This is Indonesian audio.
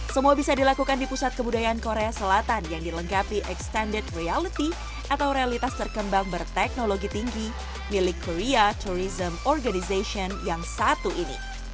semua bisa dilakukan di pusat kebudayaan korea selatan yang dilengkapi extended reality atau realitas terkembang berteknologi tinggi milik korea tourism organization yang satu ini